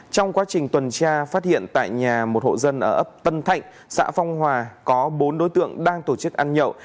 trong quá trình tuần tra phát hiện tại nhà một hộ dân ở ấp tân thạnh xã phong hòa có bốn đối tượng đang tổ chức ăn nhậu